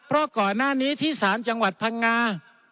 เพราะก่อนหน้านี้ที่ศาลจังหวัดพังงา